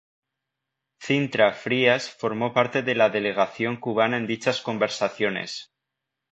Cintra Frías formó parte de la delegación cubana en dichas conversaciones.